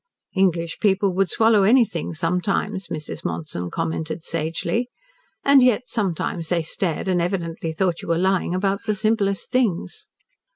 English people would swallow anything sometimes, Mrs. Monson commented sagely, and yet sometimes they stared and evidently thought you were lying about the simplest things.